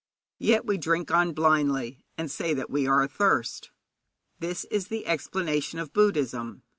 Yet we drink on blindly, and say that we are athirst. This is the explanation of Buddhism.